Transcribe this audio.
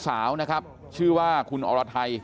พี่สาวของเธอบอกว่ามันเกิดอะไรขึ้นกับพี่สาวของเธอ